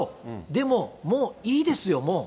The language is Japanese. でも、もういいですよ、もう。